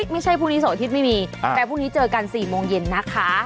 ไม่ใช่พรุ่งนี้โสถิศไม่มีแต่พรุ่งนี้เจอกัน๔โมงเย็นนะคะ